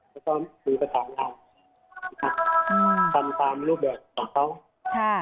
แล้วก็มีประสานงานตามรูปแบบของเขา